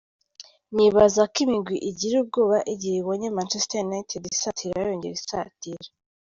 "Nibaza ko imigwi igira ubwoba igihe ibonye Manchester United isatira, yongera isatira.